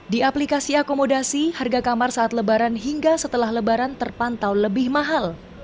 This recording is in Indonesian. di aplikasi akomodasi harga kamar saat lebaran hingga setelah lebaran terpantau lebih mahal